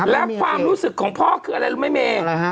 และความรู้สึกของพ่อคืออะไรรู้ไหมเมย์